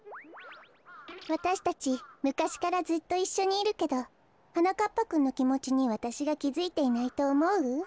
わたしたちむかしからずっといっしょにいるけどはなかっぱくんのきもちにわたしがきづいていないとおもう？